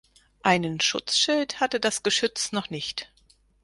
Einen Schutzschild hatte das Geschütz noch nicht.